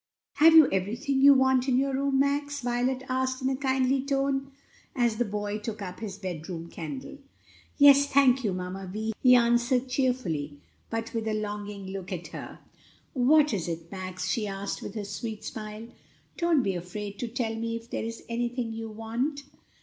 "Have you everything you want in your room, Max?" Violet asked in a kindly tone, as the boy took up his bedroom candle. "Yes, thank you, Mamma Vi," he answered cheerfully, but with a longing look at her. "What is it, Max?" she asked, with her sweet smile. "Don't be afraid to tell me if there is anything you want."